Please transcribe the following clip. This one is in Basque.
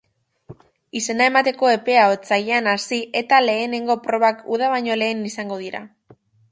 Izena emateko epea otsailean hasi eta lehenengo probak uda baino lehen izango dira.